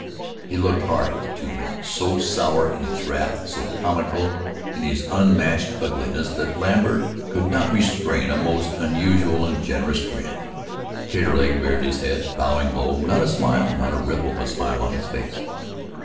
He looked hard at the two men, so sour in his wrath, so comical in his unmatched ugliness, that Lambert could not restrain a most unusual and generous grin. Taterleg bared his head, bowing low, not a smile, not a ripple of a smile, on his face.